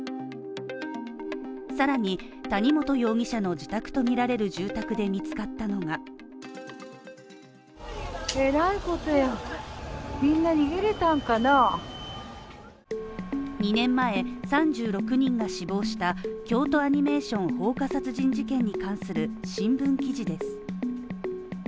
さらに、谷本容疑者の自宅とみられる住宅で見つかったのが２年前、３６人が死亡した京都アニメーション放火殺人事件に関する新聞記事です。